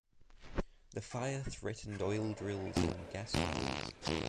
The fire threatened oil drills and gas wells.